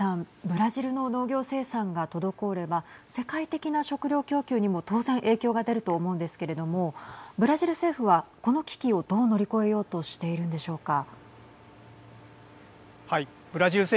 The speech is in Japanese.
ブラジルの農業生産が滞れば世界的な食糧供給にも当然影響が出ると思うんですけれどもブラジル政府は、この危機をどう乗り越えようとしているんでしょうか。